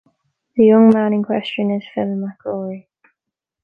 The young man in question is Phil McRory.